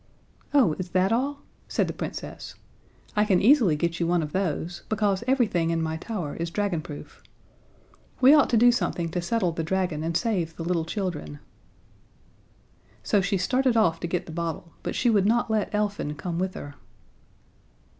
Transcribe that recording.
"Oh, is that all?" said the Princess. "I can easily get you one of those because everything in my tower is dragonproof. We ought to do something to settle the dragon and save the little children." So she started off to get the bottle, but she would not let Elfin come with her.